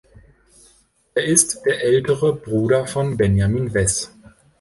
Er ist der ältere Bruder von Benjamin Wess.